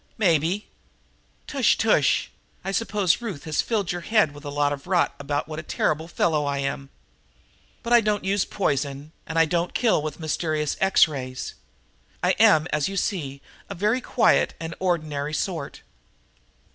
"Maybe!" "Tush, tush! I suppose Ruth has filled your head with a lot of rot about what a terrible fellow I am. But I don't use poison, and I don't kill with mysterious X rays. I am, as you see, a very quiet and ordinary sort."